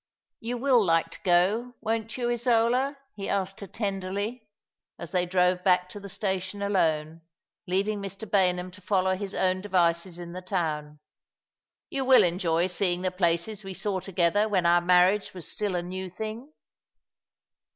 "You will like to go, won't you, Isola?" be asked her 204 All along the River, tenderly, as they drove back to the station alone, leaving Mr. Baynham to follow liis own devices in the town. " You will enjoy seeing the places we saw together when our marriage was still a new thing